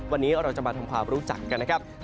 วันนี้เราจะมาทำความรู้จักกันนะครับ